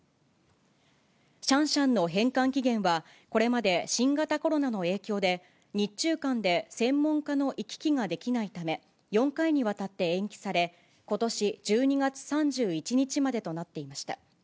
シャンシャンの返還期限は、これまで新型コロナの影響で、日中間で専門家の行き来ができないため、４回にわたって延期され、ことし１２月３１日までとなっていました。